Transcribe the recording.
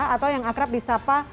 atau yang akrab di sapa